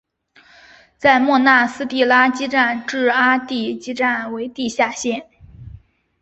在莫纳斯蒂拉基站至阿蒂基站为地下线。